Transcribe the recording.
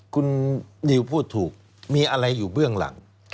คุณนิวพูดถูกมีอะไรอยู่เบื้องหลัง